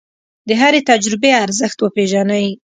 د هرې تجربې ارزښت وپېژنئ.